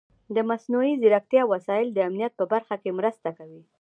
د مصنوعي ځیرکتیا وسایل د امنیت په برخه کې مرسته کوي.